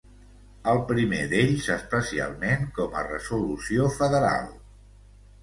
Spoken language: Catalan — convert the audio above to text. El primer d'ells especialment com a resolució federal.